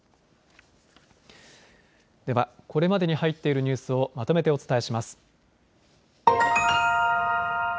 では、これまでに入っているニュースをまとめてお伝えします。